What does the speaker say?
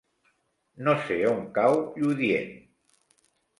No sé on cau Lludient.